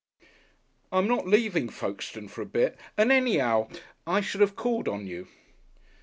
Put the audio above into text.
"I'm not leaving Folkestone for a bit, and any'ow, I should have called on you."